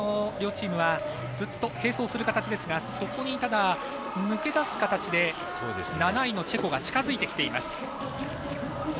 両チームはずっと併走する形ですがそこに、抜け出す形で７位のチェコが近づいてきています。